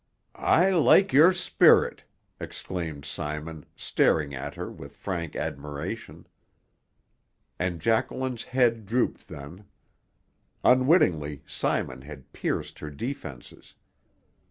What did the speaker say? "I like your spirit!" exclaimed Simon, staring at her with frank admiration. And Jacqueline's head drooped then. Unwittingly Simon had pierced her defences.